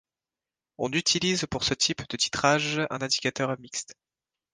On utilise pour ce type de titrage un indicateur mixte.